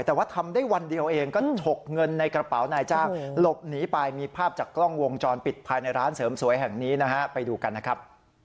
แต่ว่าทำได้วันเดียวเองก็ฉกเงินในกระเป๋านายจ้างหลบหนีไปมีภาพจากกล้องวงจรปิดภายในร้านเสริมสวยแห่งนี้นะฮะไปดูกันนะครับ